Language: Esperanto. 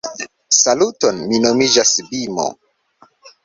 Saluton, mi nomiĝas Bimo